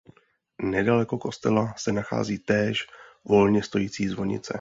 Nedaleko kostela se nachází též volně stojící zvonice.